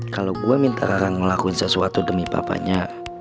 kalo gua minta rara ngelakuin sesuatu demi papanya